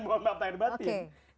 mohon maaf lahir dan batin